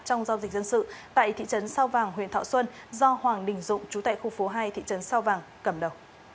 trong giao dịch dân sự tại thị trấn sao vàng huyện thọ xuân do hoàng đình dụng chú tại khu phố hai thị trấn sao vàng cầm đầu